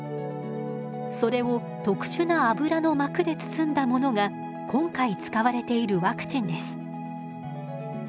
それを特殊な油の膜で包んだものが今回使われているワクチンです。